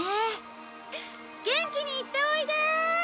元気に行っておいで！